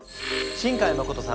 新海誠さん。